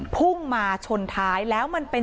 พุ่งมาชนท้ายแล้วมันเป็น